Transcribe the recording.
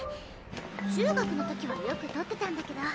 中学のときはよく撮ってたんだけど。